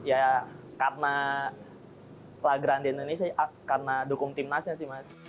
ya karena la grande indonesia karena dukung timnasnya sih mas